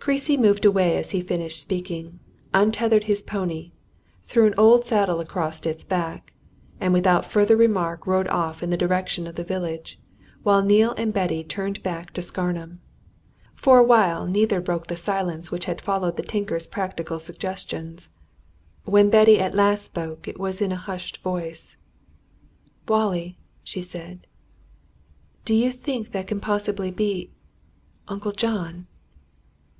Creasy moved away as he finished speaking, untethered his pony, threw an old saddle across its back, and without further remark rode off in the direction of the village, while Neale and Betty turned back to Scarnham. For a while neither broke the silence which had followed the tinker's practical suggestions; when Betty at last spoke it was in a hushed voice. "Wallie!" she said, "do you think that can possibly be Uncle John?"